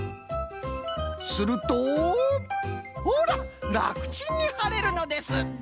するとほららくちんにはれるのです！